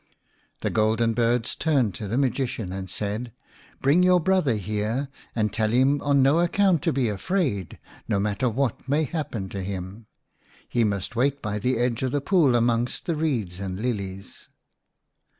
The golden birds turned to the magician and said, " Bring your brother here and tell him on no account to be afraid, no matter what may happen to him. He must wait by the edge of the pool amongst the reeds and lilies.